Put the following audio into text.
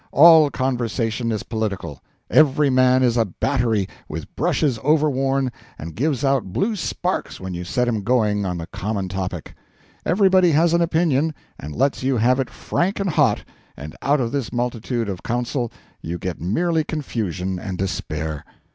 All conversation is political; every man is a battery, with brushes overworn, and gives out blue sparks when you set him going on the common topic. Everybody has an opinion, and lets you have it frank and hot, and out of this multitude of counsel you get merely confusion and despair.